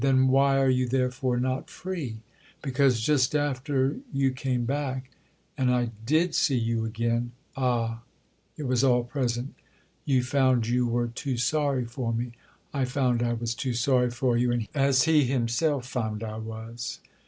"Then why are you therefore not free?" "Because—just after—you came back, and I did see you again!" Ah, it was all present. "You found you were too sorry for me?" "I found I was too sorry for you—as he himself found I was."